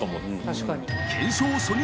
確かに。